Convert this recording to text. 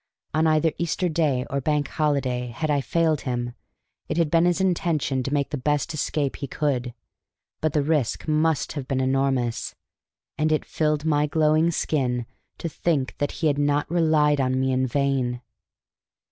On either Easter Day or Bank Holiday, had I failed him, it had been his intention to make the best escape he could. But the risk must have been enormous, and it filled my glowing skin to think that he had not relied on me in vain.